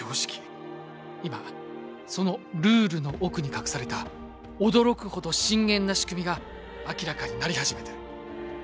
今そのルールの奥に隠された驚くほど深淵なしくみが明らかになり始めている。